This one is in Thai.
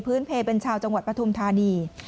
เพลเป็นชาวจังหวัดปฐุมธานี